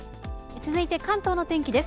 続いて関東の天気です。